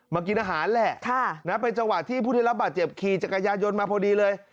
กินอาหารแหละเป็นจังหวะที่ผู้ได้รับบาดเจ็บขี่จักรยานยนมาพอดีเลย